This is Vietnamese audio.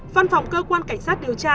văn phòng cơ quan cảnh sát điều tra